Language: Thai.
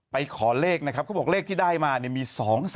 ขอเลขนะครับเขาบอกเลขที่ได้มาเนี่ยมี๒๓